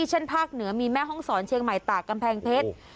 ภาคเหนือมีแม่ห้องศรเชียงใหม่ตากกำแพงเพชร